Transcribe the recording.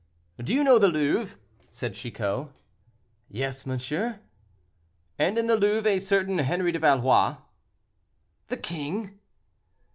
"Do you know the Louvre?" said Chicot. "Yes, monsieur." "And in the Louvre a certain Henri de Valois?" "The king?"